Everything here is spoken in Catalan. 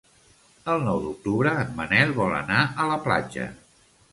El nou d'octubre en Manel vol anar a la platja.